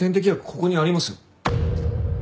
ここにありますよ。